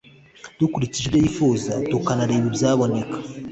dukurikije ibyo yifuza tukanareba ibyaboneka